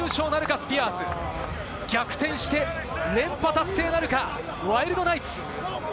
スピアーズ。逆転して連覇達成なるか、ワイルドナイツ。